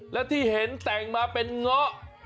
และที่เห็นแต่งมาเป็นเงาะ